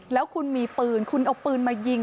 แล้วคุณมีปืนคุณเอาปืนมายิง